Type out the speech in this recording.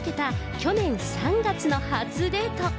去年３月の初デート。